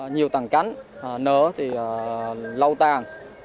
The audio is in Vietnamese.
nhiều tàng cánh nớ thì lâu tàng